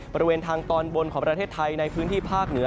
บริเวณทางตอนบนของประเทศไทยในพื้นที่ภาคเหนือ